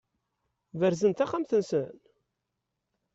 Berzen-d taxxamt-nsen?